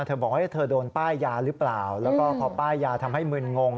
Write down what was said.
บอกว่าเธอโดนป้ายยาหรือเปล่าแล้วก็พอป้ายยาทำให้มึนงง